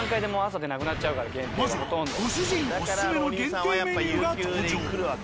まずはご主人オススメの限定メニューが登場。